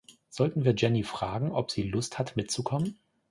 Sollten wir Jenny fragen, ob sie Lust hat mitzukommen?